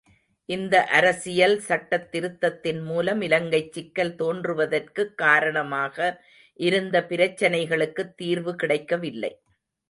இந்த அரசியல் சட்டத் திருத்தத்தின் மூலம் இலங்கைச் சிக்கல் தோன்றுவதற்குக் காரணமாக இருந்த பிரச்னைகளுக்கு தீர்வு கிடைக்கவில்லை.